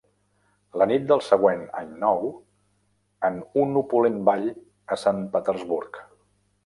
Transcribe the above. La nit del següent any nou, en un opulent ball a Sant Petersburg.